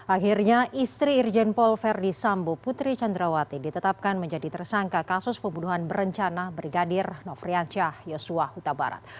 akhirnya istri irjen paul verdi sambo putri candrawati ditetapkan menjadi tersangka kasus pembunuhan berencana brigadir nofriansyah yosua huta barat